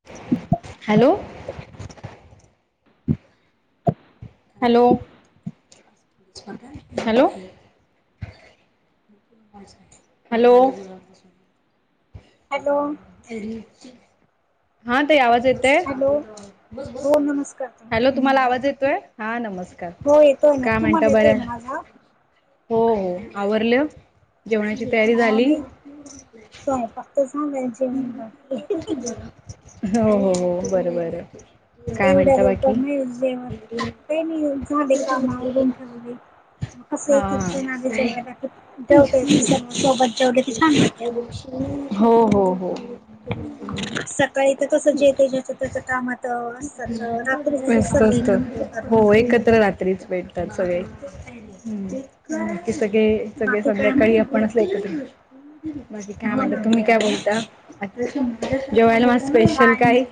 ह [inaudible] hello hello hello hello hello हा ते आवाज येते हॅलो हो नमस्कार ताई हॅलो तुम्हाला आवाज येतोय हा नमस्कार हो येतोय ना काय म्हणत तुम्हाला बर येतोय ना माझा हो हो आवरलं जेवणाची तयारी झाली सांगाय [unintelligible] हो हो हो बरबर एवढ्या लोक मिळे जेव्हा काही नाही झाले कामवडून ठेवले. कस एक हा एक जुूनले जेवायला क जेते सर्व सोबत जेवले ते छान लागत. हो हो हो. सकाळी तर कस जेते ज्याचं त्याच काम आता रात्री मस्त सर्व असत एकत्र येतात ना. हो एकत्र भेटतात सगळे. सगळे सगळे बाकी काय सध्याकाळी म्हणतात आपणच बाकी काय हो म्हणत ना तुम्ही काय बोलता? आ जेवयला म स्पेशल काय?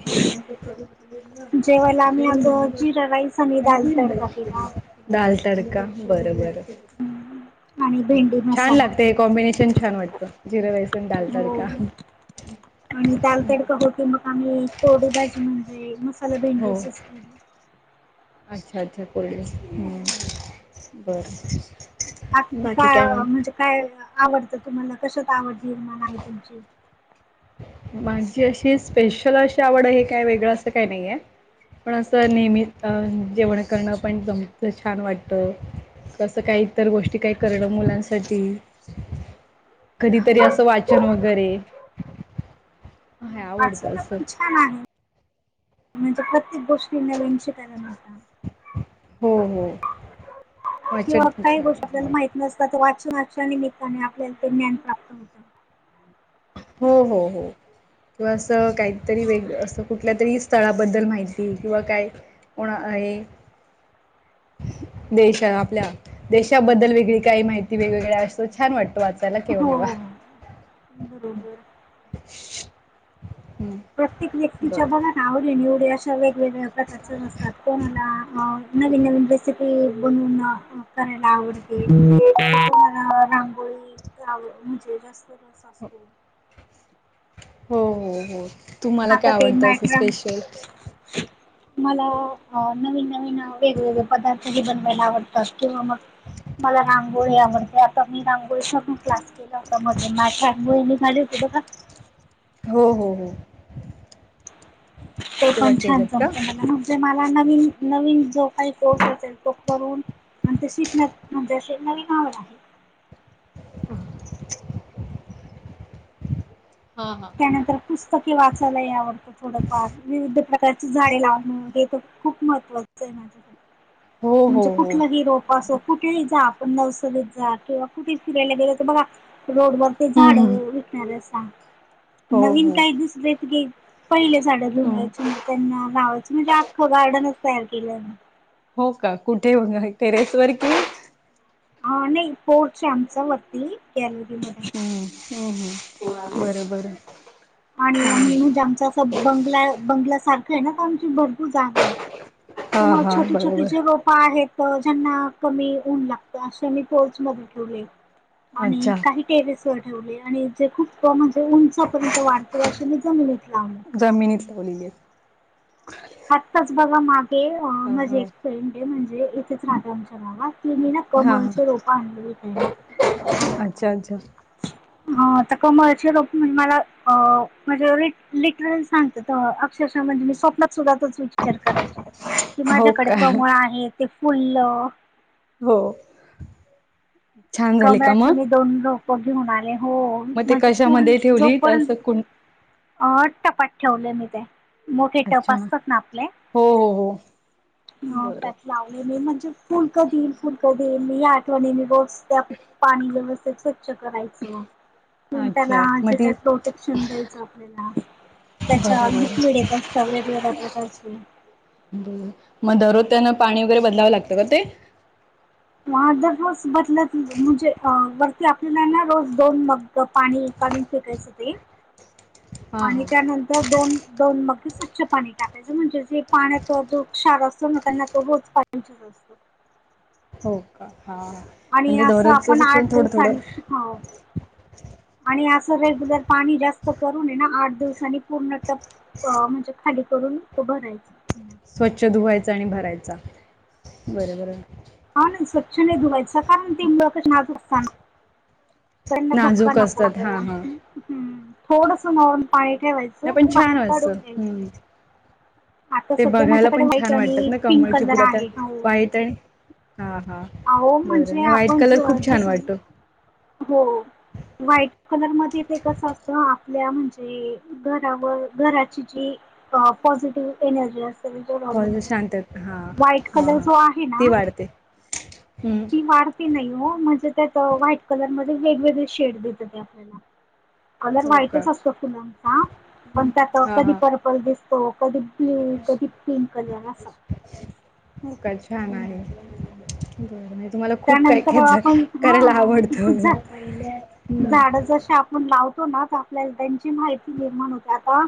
जेवायला आम्ही आज जिरा राईस आणि दाल रहि तडका केला दाल तडका बरोबर आणि भेंडी छान मसाला लागते कॉम्बिनेशन छान वाटतं जिरं रसन हो डालतडका आणि दालतडका होते मग आम्ही कोरडी भाजी म्हणजे मसाला हो भेंडीची अस. अच्छा अच्छा कोरडी बरं. बा काय म्हणजे काय आवडतं तुम्हाला कशात आवडमाण आहे तुमची? माझी अशी स्पेशल अशी आवड आहे काय वेगळं असं काही नाहीये. पण असं नेहमी जेवण करणं पण जमचं छान वाटत. कसं काही इतर गोष्टी काही करणं मुलांसाठी कधीतरी असं वाचन वगैरे हाय आवडतं वाचायला असं. पण छान आहे म्हणजे प्रत्येक गोष्टी न लन शिकायला नत. हो हो. किंवा वाचन पण काही छान गोष्ट आहे. आपल्याला हो. माहित नसतात तर वाचनाच्या निमित्ताने आपल्याला ते ज्ञान प्राप्त होतं. हो हो हो किंवा असं काहीतरी वेग असं कुठ? कुठल्या तरी स्थळाबद्दल माहिती किंवा काय कोणा आहे. देश आपल्या देशाबद्दल वेगळी काही माहिती वेगवेगळे असतो छान वाटतो आपल्याला केव्हा केव्हा बर बर. हम्म. प्रत्येक व्यक्तीच्या बघ आवडे निवडे. वेगवेगळ्या प्रकारच्या असतात कोणाला नवीन नवीन रेसिपी बनून करायला आवडते रांगोळी म्हणजे तस असत. हो, हो हो हो तुम्हाला काय आता ते आवडत असं मॅटरन स्पेशल मला नवीन नवीन वेगवेगळे पदार्थ बनवायला आवडतात किंवा मग मला रांगोळी आवड. आता मी रांगोळी चाबी क्लास केला होता मध्ये माझ रांगोळी निघाली होती बघा. हो हो हो. ते तेव्हा पण छान केलंत का? जमत मला ना. मला नवीन नवीन जो काही कोर्स असेल तो करून आणि ते शिकन्यात म्हणजेे नवीन आवड आहे. [inaudible] हा हा. त्यानंतर पुस्तके वाचायलाही आवडत. थोडंफार विविध प्रकारची झाडे लावण हे तर खूप महत्त्वाचं आहे. [inaudible] म्हणजे हो कुठलहि रोप असो कुठ? ुठ जा आपण नर्सरीत जा किंवा कुठे फिरायला गेलो तर बघा रोड वर ते हम्म झाड. हम्म त्याला सांग हो नवीन हो काही दुसरेघे पहिले झाड घेरून हम्म. जायची ना. त्यांना गावाच म्हणजे आख्खं गार्डनच तयार केलं मी हो का कुठे उभा आहे टेरेस वर कि ह नाही पोर्च आहे आमचा वती गॅलरीमध्ये. हम्म हम्म हम् हम बरोबर. आणि म्हणजे आमच असं बंगला बंगल्यासारखं आहे ना तर आमची भरपूर जागा आहे. हा तुम्हा हा छोट छोट बरोबर जेव्हा. आहेत ज्यांना कमी ऊन लागत अशे मी टोर्च बघितलेले. आणि अच्छा काही टेरेस व ठेवले आणि. ते खूप म्हणजे उंचापर्यंत वाढते अशे मी जमिनीत लावले. जमिनीत लावलेली आहे. आत्ताच बघा मागे हा माझी हा एक फ्रेंड आहे म्हणजे इथेच राहत आमच्या गावा तिने ना. हा कमळचे रोपं आणले विकायला. अच्छा अच्छा. हता कमळची रोप म्हणजे मला म्हणजे लिटरल सांग. अक्षरशः म्हणजे मी स्वप्त सुद्धा तच विचार करायची. कि हो माझ्याकडे का कमळ आहे ते फुल्ल. हो. छान झाले का कमळाचे मग मी दोन रोप घेऊन आले हो मग ते म्हणजे फुल कशामध्ये जो ठेवली पर्यंत. असं कुण अहो टपात ठेवले मी ते. मोठे टप अच्छा. असतात ना आपले हो हो हो त्यात. बरं लावले मी म्हणजे फुल कधी देईन फुल कधी देईन या आठवणीने मी रोज. त्या पाणी वेवस्थेच. करा त्याला अच्छा मग जे ती काही प्रोटेक्शन द्यायचं. आपल्याला त्याच्या बरं बरं. लिक्विड येत असत वेगवेगळ्या प्रकारचे बरोबर मग दररोज त्यानां पाणी वगैरे बदलावं लागतं का ते. ह दररोज बदलत म्हणजे वरती आपल्याला ना रोज दोन म. पाणी काढून फेकायचं ते [inaudible] आणि त्यानंतर दोन. दोन मग स्वच्छ पाणी टाकायचं म्हणजे जे पाण्यात जो क्षार असतो ना त्यांना तो रोज [inaudible] हो का हा आणि म्हणजे असं दररोज आपण चेन आठ थोडं थोडं दिवसनी हो आणि असं रेग्युलर पाणी जास्त करून नये ना आठ दिवसनी पूर्ण टप् अ म्हणजे खाली करून भरायचं. स्वच्छ धुवायचा आणि भरायचा बरबर. हा नाही स्वच्छ नाही धुवायचं कारण ते मुळच नाजकत. त्यांना धक्का नाजूक नको असतात हा आपला् हा. थोडस नरून पाणी नाही ठेवायचं. पण छान बाकी काढून असतं घ्या. आता ते सध्या बघायला माझ्याकडे पण व्हाईट छान वाटतात आणि ना पिंक कमळची कलर फुलं त्या आहे हो. व्हाईट आणि हा हा अह बरं म्हणजे नाही व्हाईट आपण कलर ज खूप छान जस वाटतो. हो. व्हाईट कलर मध्ये ते कसं असतं आपल्या म्हणजे. घरावर घराची जी पॉझिटिव्ह एनर्जी असते. त्याच्यावर अवलंबून शांत असतो हा व्हाईट हा कलर हा जो आहे ती वाढते हम्. काढती नाही हो म्हणजे त्यात व्हाईट कलर म वेगवेगळे शेड देत ते आपल्याला. कलर हो का व्हाईटच असतो फुलांचा पण त्यात हा कधी हा पर्पल दिसतो कधी ब्ल्यू कधी पिंक कलर असत. हो का छान आहे. बर नाही तुम्हाला खूप काय त्यानंतर कायच आपण करायला आवडत. झाड जशी आपण लावतो ना तर आपल्या त्यांची माहिती निर्माण होते आता.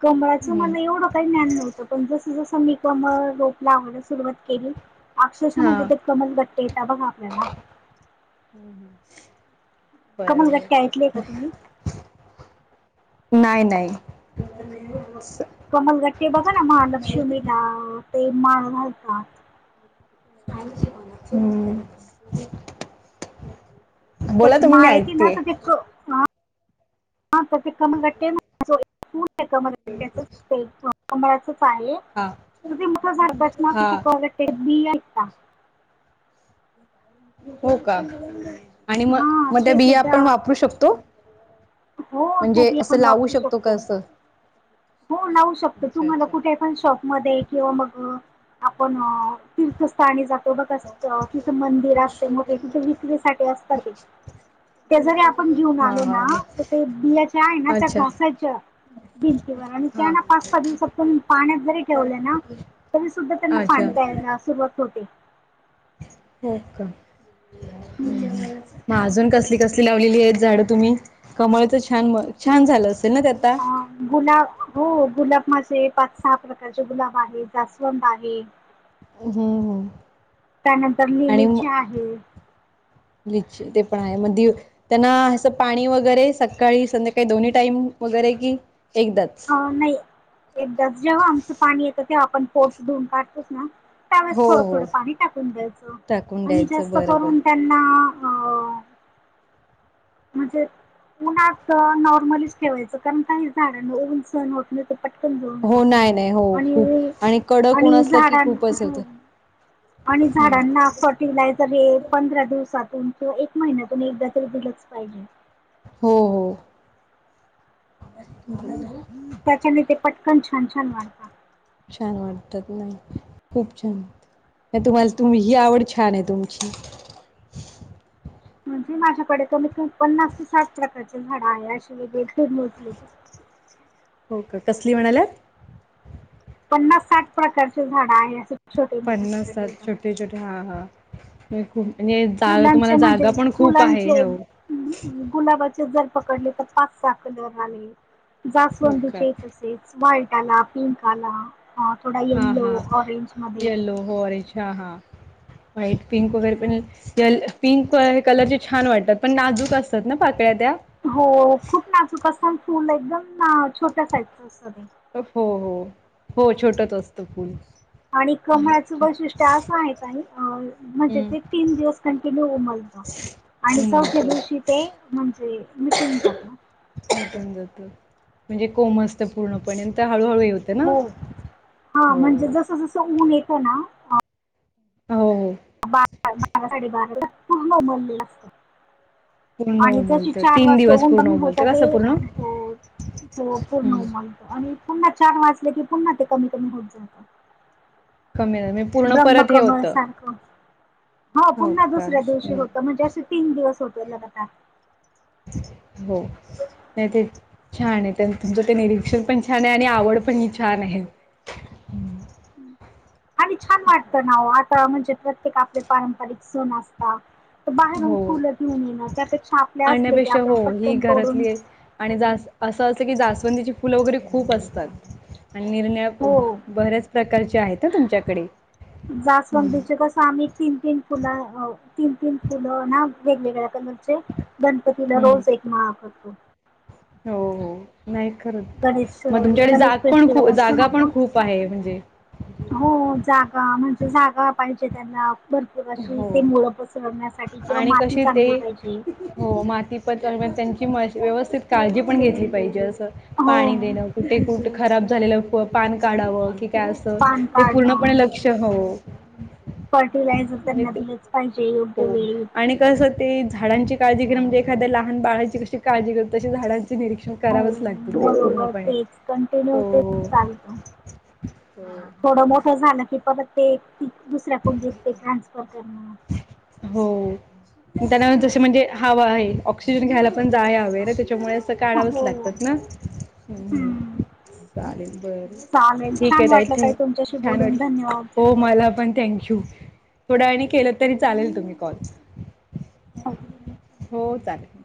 कमळाचं हम्म. मला एवढं काही ज्ञान नव्हत पण जसं जसं मी कमळ रोप लावायला सुरुवात केली अक्षरशः म्हणजे ते कमल गट्टे येतात बघा आपल्याला. हम्म हम्म. कमन घट्टी ऐकली आहे का तुम्ही नाही नाही कमलगट्टे बघा ना म लक्ष्मीला ते माळ घालतात हम्म बोला तशी तुम्ही मी माळ येत ना ऐकतेय तर ते हा तर ते कमलट्ट कमलट्ट्या कंमळाचच आहे हा त ते मोठ झाडतच ना त हा श क बि आहेत का हो का आणि म हा मग त्या ते बिया सुद्धा आपण वापरू शकतो हो त्या म्हणजे असं आपण लावू वापरू का शकतो असं हो लावू शकतो अच्छा तुम्हाला अच्छा कुठे आपण शॉपमध्ये किंवा मग आपण तीर्थस्थानी जातो बघ तिथे मंदिर असते मोठे तिथे विक्रीसाठी असतात ते ते जरी आपण घेऊन हा आलो हा ना तर ते बियाच्या आहे ना त्या अच्छा घासाच्या भिंतीवर आणि हा त्यांना पाच सहा दिवसात पण पाण्यात जरी ठेवलंय ना तुमी सुद्धा त्यांना अच्छा पानी द्यायला सुरुवात होते का हम्म मग अजून कसली कस लावलेली आहेत झाडं तुम्ही कमळच छान छान झालं असेल ना त्याता गुलाब हो गुलाब माझे पाच सहा प्रकारचे गुलाब आहे जास्वंत आहे हम्म हम्म त्यानंतर आणि म ललीच्या आहे ते पण आहे मध्ये त्यांना असं पाणी वगैरे सकाळी संध्याकाळी दोन्ही टाईम वगैरे की एकदाच अ नाही एकदाच जेव्हा आमचं पाणी येतं तेव्हा आपण पोस धुऊन काढतोस ना त्यावेळेस हो थोडं थोडं हो पाणी टाकून द्यायचं टाकून आणि द्यायचं जास्त बरोबर करून त्यांना अ म्हणजे उन्हाात नॉर्मलीच ठेवायचं कारण काही झाड उऊून सहण होत नाही पटकन जून हो जात नाही नाही हो आणि खूप कडक ऊन आणि असलं की झाडां खूपच हे होते आणि हम्म. झाडांना फर्टिलायझर हे पंधरा दिवसातून किंवा एक महिन्यातून एकदा तरी दिलंच पाहिजे हो हो ह्म्म त्याच्याने ते पटकन छान छान वाढता छान वाटतात नाही खूप छान नाही तुम्हाला तुम्ही ही आवड छान आहे तुमची म्हणजे माझ्याकडे कमीत कमी पन्नास ते साठ प्रकारचे झाड आहे अशे एक एक मोजलेले हो का कसली म्हणाल्यात पन्नास साठ प्रकारचे झाड आहे असे छोटे मोठे पन्नास सात पकडले ता छोटे छोटे हा हा खूप म्हणजे आणि तुम्हाला फुलांचे म्हणजे जागा पण खूप आहे फुलांचे हो गुलाबाचे जर पकडले तर पाच सहा कलर आले हो का जास्वंदीचे तस व्हाईट आला पिंक आला थोडा हा यलो हा ऑरेंज मध्ये येल्लो हो अरेछा हा व्हाईट पिंक वगैरे पण ल पिंक हे कलरचे छान वाटतात पण नाजूक असतात ना पाकळ्या त्या हो खूप नाजूक असत आणि फूल एकदम छोट्या साईजच असत हो हो हो छोटच असत फूल आणि कमळाचं वैशिष्ट्य असं आहे म्हणजे हम्म ते तीन दिवस कंटिन्यू उमल आणि हम्म चौथे असं दिवशी ते म्हणजे मिटून जात टून जात म्हणजे कोम असतं पूर्णपणे तर हळूहळू यत हो हा म्हणजे जस जस ऊन येत ना हो बारा साडे बाराला पूर्णमललेलं असत पूर्ण आणि जशी उमलतं चार तीन वाजता दिवस ऊन पूर्ण कमी होत उमलतं ते कसं पूर्ण हो हो पूर्ण हम्म उमलत आणि पुन्हा छान वाचले की पुन्हा ते कमी कमी होत जाईल कममी ब्रह्मकमळ सारखं. हो पुन्हा दुसऱ्या दिवशी होतं. म्हणजे असं तीन दिवस होत, लगातार. हो. नाही ते, छानय. त्यां- तुमचं ते निरीक्षण पण छानय. आणि आवड पण ही छान आहे. आणि छान वाटतं ना वो. आता म्हणजे प्रत्येक आपले पारंपारिक सण असता. तर बाहेरून हो फुलं घेऊन येणं. त्यापेक्षा आपले असले की, आणण्यापेक्षा हो आपल्या ही पटकन तोडून घरातली आहे. आणि जा असं असत की, जास्वंदीची फुलं वगैरे खूप असतात. आणि निरन्या ब हो -बऱ्याच प्रकारचे आहेत आ, तुमच्याकडे. हम्म जास्वंदीचे कसं आम्ही तीन- तीन फुला, अ तीन -तीन फुलं ना, वेगवेगळ्या कलरचे गणपतीला, हम्म रोज एक माळ करतो. हो, हो. नाही खरंच. गणेश मग तुमच्याकडे गणेश जाग पण खू, फेस्टिवल असतो ना जागा पण आपला खूप आहे. म्हणजे हो, जागा. म्हणजे जागा पाहिजे त्यांना. भरपूर अशी. ते हो मुळं पसरण्यासाठी. किंवा आणि माती कशी ते चांगली पाहिजे. हो. माती [unintelligible] त्यांची म व्यवस्थित काळजी पण घेतली पाहिजे. असं, हो पाणी देणं कुठे -कुठ खराब झालेलं फ- पान काढावं की, काय असं. पान ते पूर्णपणे काढणं लक्ष, हो. फर्टिलायझर म्हणजे त्यांना दिलंच पाहिजे, योग्य वेळी. तसं ते झाडांची काळजी घेणं म्हणजे, एखाद्या लहान बाळाची कशी काळजी घेतो. तशी झाडांची निरीक्षण हो करावच लागते. बरोबर. तेच, कंटिन्यू तेच चालतं. थोडं मोठं झालं की, परत ते दुसऱ्या कुंडीत ते ट्रान्सफर करणं हो. त्यांना ज म्हणजे हवा आहे. ऑक्सिजन घ्यायला पण, जाय हवे ना. त्याच्यामुळे त काढावंच हो लागतात ना? हं, हम्म हं. चालेल, बर. चालेल ठीकय छान ताई. वाटलं ठेव, तुमच्याशी छान बोलून वाटलं. धन्यवाद हो. तुम्हाला पण थँक यू. थोड्या वेळानी केलं तरी चालेल. तुम्ही कॉल. हो. हो चालेल.